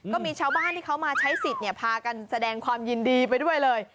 ก็มีชาวบ้านที่เขามาใช้สิทธิ์พากันแสดงความยินดีไปด้วยเลย